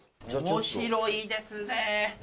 面白いですね。